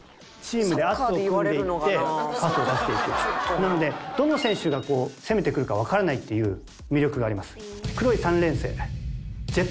なのでどの選手が攻めてくるかわからないっていう魅力があります。